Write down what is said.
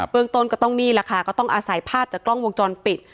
เมืองต้นก็ต้องนี่แหละค่ะก็ต้องอาศัยภาพจากกล้องวงจรปิด